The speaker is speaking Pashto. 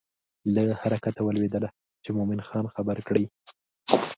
له حرکته ولوېدله چې مومن خان خبر کړي.